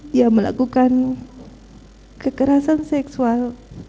dia melakukan kekerasan seksual